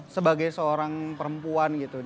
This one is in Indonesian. sebagai seorang perempuan gitu